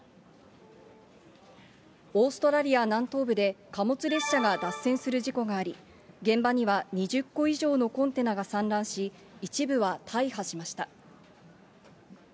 オーストラリア南東部で貨物列車が脱線する事故があり、現場には２０個以上のコンテナが散乱し、一部は大破しました。